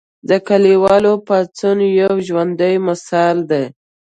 د کلیوالو پاڅون یو ژوندی مثال دی.